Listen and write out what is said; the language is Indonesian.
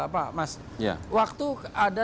pak mas waktu ada